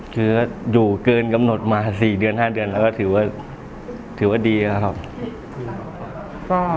คืออยู่เกินกำหนดมา๔เดือน๕เดือนแล้วก็ถือว่าถือว่าดีแล้วครับ